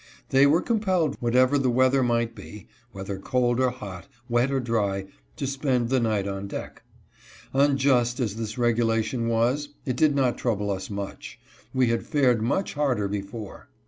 They were compelled, whatever the weather might be, whether cold or hot, wet or dry, to spend the night on deck. Unjust as this regulation was, it did not trouble us much. We had fared much harder before.